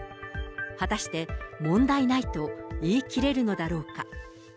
果たして問題ないと言い切れるのだろうか。